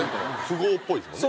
富豪っぽいですもんね。